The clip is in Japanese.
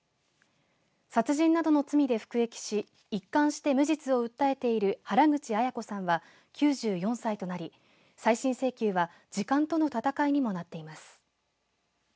殺人などの罪で服役し一貫して無実を訴えている原口アヤ子さんは９４歳となり再審請求は、時間との闘いにもなっています。